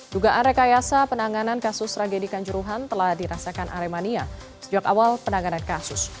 dugaan rekayasa penanganan kasus tragedi kanjuruhan telah dirasakan aremania sejak awal penanganan kasus